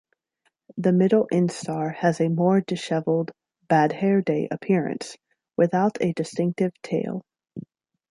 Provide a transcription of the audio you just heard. The middle instar has a more disheveled, "bad-hair-day" appearance, without a distinctive tail.